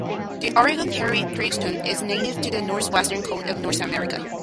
The Oregon hairy triton is native to the northwestern coast of North America.